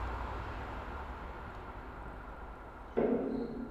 Obec se nachází ve jižní části Liptovské kotliny na úpatí Nízkých Tater.